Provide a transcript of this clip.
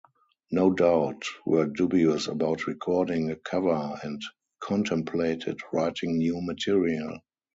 No Doubt were dubious about recording a cover and contemplated writing new material.